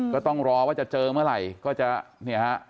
ก็ต้องรอว่าจะเจอเมื่อไหร่ก็จะเนี่ยฮะ